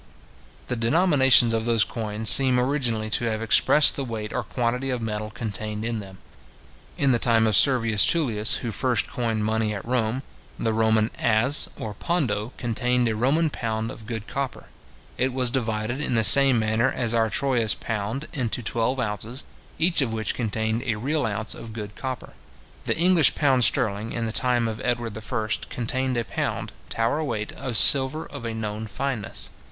The denominations of those coins seem originally to have expressed the weight or quantity of metal contained in them. In the time of Servius Tullius, who first coined money at Rome, the Roman as or pondo contained a Roman pound of good copper. It was divided, in the same manner as our Troyes pound, into twelve ounces, each of which contained a real ounce of good copper. The English pound sterling, in the time of Edward I. contained a pound, Tower weight, of silver of a known fineness.